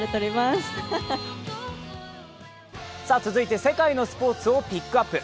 続いて世界のスポーツをピックアップ。